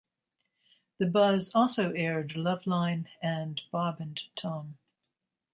The Buzz also aired Loveline and Bob and Tom.